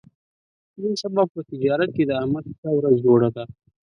نن سبا په تجارت کې د احمد ښه ورځ جوړه ده.